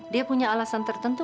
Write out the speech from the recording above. dia punya alasan tertentu